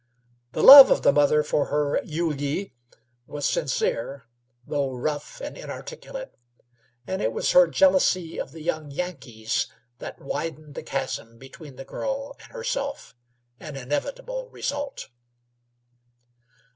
The love of the mother for her "Yulyie" was sincere though rough and inarticulate, and it was her jealousy of the young "Yankees" that widened the chasm between the girl and herself an inevitable result.